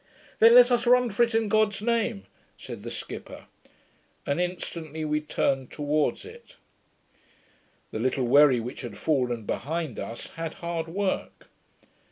'Then let us run for it in God's name,' said the skipper; and instantly we turned towards it. The little wherry which had fallen behind us, had hard work.